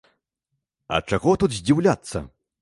А чаго тут здзіўляцца.